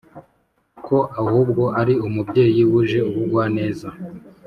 ko ahubwo ari umubyeyi wuje ubugwaneza